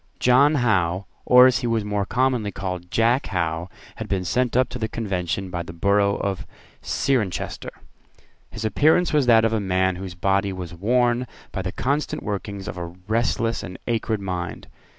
John Howe, or, as he was more commonly called, Jack Howe, had been sent up to the Convention by the borough of Cirencester. His appearance was that of a man whose body was worn by the constant workings of a restless and acrid mind.